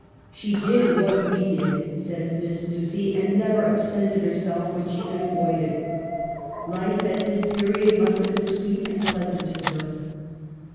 " She did what we did," says Miss Nussey, " and never absented herself when she could avoid it — life at this period must have been sweet and pleasant to her."